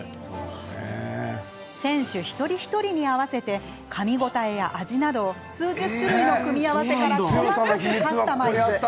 選手一人一人に合わせてかみ応えや味などを数十種類の組み合わせから細かくカスタマイズ。